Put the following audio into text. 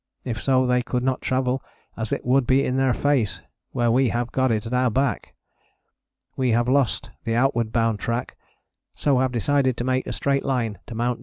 If so they could not travel as it would be in their face, where we have got it at our back. We have lost the outward bound track, so have decided to make a straight line to Mt.